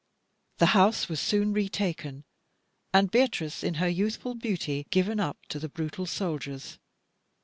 The house was soon retaken, and Beatrice, in her youthful beauty, given up to the brutal soldiers.